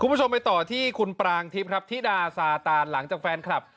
คุณผู้ชมไปต่อที่คุณปรางทิพย์ครับธิดาซาตานหลังจากแฟนคลับ